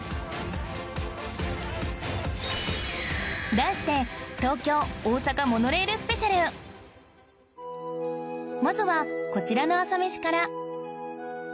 題してまずはこちらの朝メシから